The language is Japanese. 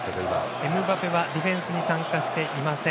エムバペはディフェンスに参加していません。